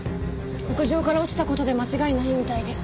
屋上から落ちた事で間違いないみたいです。